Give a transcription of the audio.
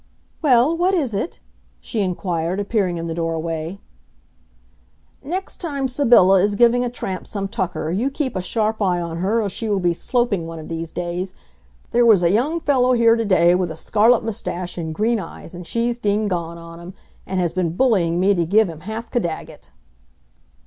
"Well, what is it?" she inquired, appearing in the doorway. "Next time Sybylla is giving a tramp some tucker, you keep a sharp eye on her or she will be sloping one of these days. There was a young fellow here today with a scarlet moustache and green eyes, and she's dean gone on him, and has been bullying me to give him half Caddagat."